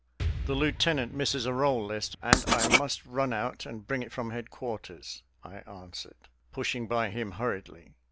"The lieutenant misses a roll list, and I must run out and bring it from headquarters," I answered, pushing by him hurriedly.